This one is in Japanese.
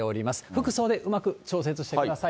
服装でうまく調節してください。